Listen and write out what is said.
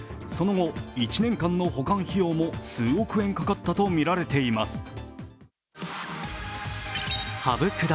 その後、１年間の保管費用も数億円かかったとみられています。